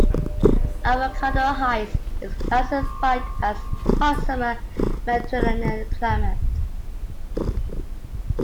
Avocado Heights is classified as Hot Summer Mediterranean climate.